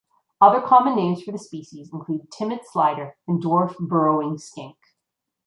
Other common names for the species include timid slider and dwarf burrowing skink.